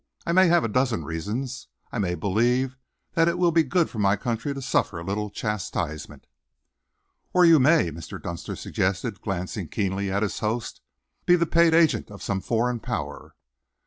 I may have a dozen reasons. I may believe that it will be good for my country to suffer a little chastisement." "Or you may," Mr. Dunster suggested, glancing keenly at his host, "be the paid agent of some foreign Power." Mr.